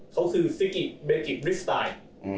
เขาคือซิกิเบกิบริสไตล์